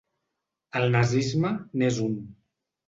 El nazisme n’és un.